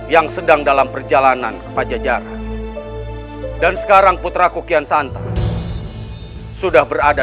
yang sedang dalam perjalanan ke pajajaran dan sekarang putraku kian santam sudah berada